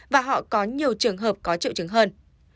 và họ có nhiều trường hợp có triệu chứng hơn